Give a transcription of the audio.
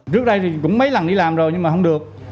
trước đây thì cũng mấy lần đi làm rồi nhưng mà không được